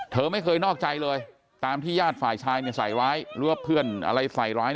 เธอไม่เคยนอกใจเลยตามที่ญาติฝ่ายชายใส่ร้ายหรือว่าเพื่อนอะไรฝ่ายร้าย